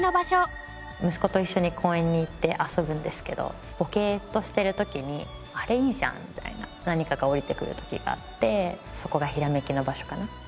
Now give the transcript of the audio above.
息子と一緒に公園に行って遊ぶんですけどボケーっとしている時に「アレいいじゃん」みたいな何かが降りてくる時があってそこがヒラメキの場所かな？